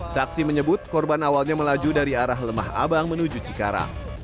saksi menyebut korban awalnya melaju dari arah lemah abang menuju cikarang